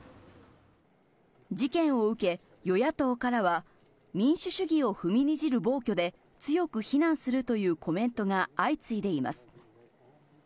事件を受け、与野党からは民主主義を踏みにじる暴挙で、強く非難するというコメントが相次いでいます。